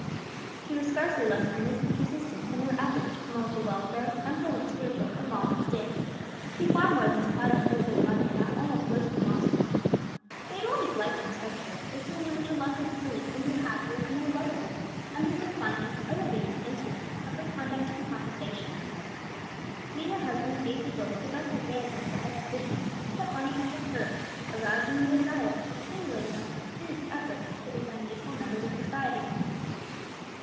She was scarcely less earnest and persistent in her efforts to promote the welfare, temporal and spiritual, of Molly and Dick. She far more than supplied the place of the mother now almost worse than lost to them. They had always liked and respected her; they soon learned to love her dearly and grew happier and more lovable under the refining, elevating influence of her conduct and conversation. She and her husband gave to both the best advantages for education that money could procure, aroused in them the desire, and stimulated them to earnest efforts to become useful members of society.